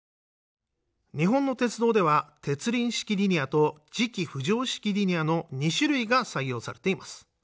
日本の鉄道では鉄輪式リニアと磁気浮上式リニアの２種類が採用されています。